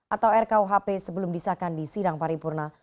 atau rkuhp sebelum disahkan di sidang paripurna